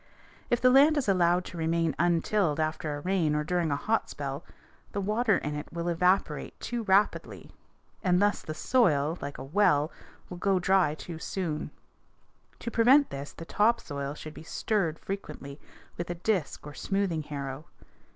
If the land is allowed to remain untilled after a rain or during a hot spell, the water in it will evaporate too rapidly and thus the soil, like a well, will go dry too soon. To prevent this the top soil should be stirred frequently with a disk or smoothing harrow.